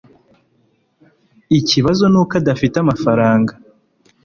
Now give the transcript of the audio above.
ikibazo nuko adafite amafaranga